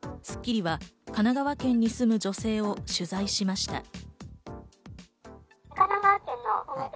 『スッキリ』は神奈川県に住む女性を取材しました。